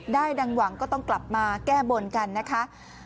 ดังหวังก็ต้องกลับมาแก้บนกันนะคะ